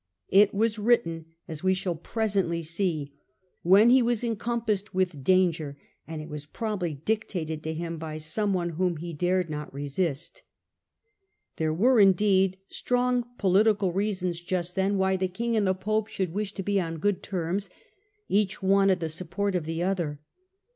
It was written, as we shall presently see, when he was encom passed with danger, and it was probably dictated to him by some one whom he dared not resist. There were indeed strong political reasons just then Digitized by VjOOQIC 96 IllLDEBRAND why the king and the pope should wish to be on good terms ; each wanted the support of the other.